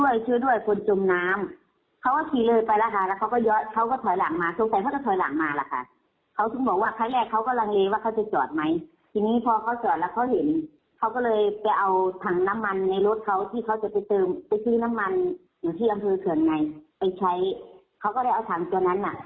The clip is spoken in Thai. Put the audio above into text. อยู่ที่อำนวยเตือนในไปใช้เขาก็ได้เอาถังตัวนั้น